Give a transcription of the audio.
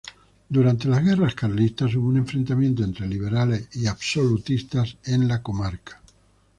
Durante las guerras carlistas hubo un enfrentamiento entre liberales y absolutistas en la comarca.